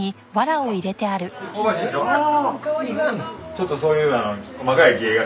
ちょっとそういう細かい芸が。